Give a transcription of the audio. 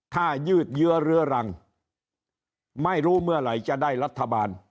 ถ้ายืดเยื้อเรื้อรังไม่รู้เมื่อไหร่จะได้รัฐบาล